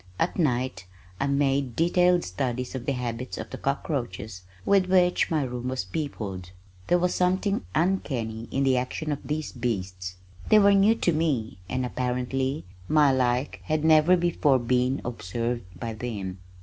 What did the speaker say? At night I made detailed studies of the habits of the cockroaches with which my room was peopled. There was something uncanny in the action of these beasts. They were new to me and apparently my like had never before been observed by them.